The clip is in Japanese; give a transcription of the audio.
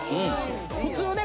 普通ね